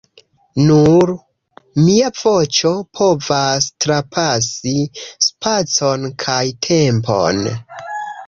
Nur mia voĉo povas trapasi spacon kaj tempon